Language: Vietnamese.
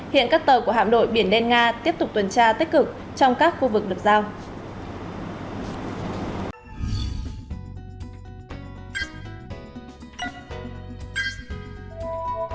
hiện các tàu của hạm đội biển đen nga tiếp tục tuần tra tích cực trong các khu vực được giao